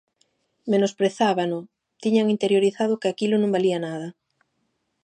Menosprezábano, tiñan interiorizado que aquilo non valía nada.